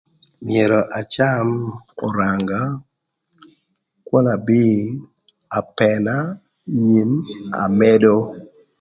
Myero acam öranga, kwon abir, Apëna, nyim, amedo.